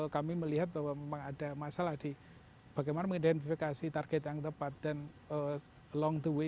kami melihat bahwa memang ada masalah di bagaimana mengidentifikasi target yang tepat dan long the way